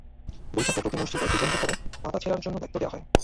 বৈঠকে প্রতি মসজিদে দুজনকে করে পাতা ছেঁড়ার জন্য দায়িত্ব দেওয়া হয়।